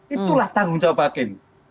itulah tanggung jawab hakim